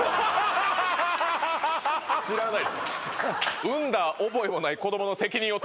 知らないです